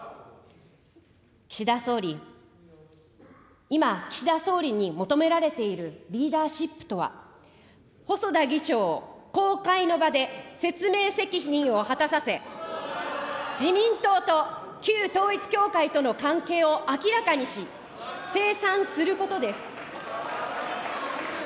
岸田総理、今、岸田総理に求められているリーダーシップとは、細田議長を公開の場で説明責任を果たさせ、自民党と旧統一教会との関係を明らかにし、清算することです。